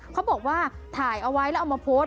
เขาบอกว่าถ่ายเอาไว้แล้วเอามาโพสต์